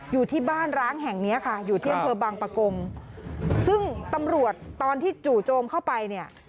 อยู่ที่บ้านร้างแห่งเนี้ยค่ะอยู่ที่อำเภอบางปะกงซึ่งตำรวจตอนที่จู่โจมเข้าไปเนี่ย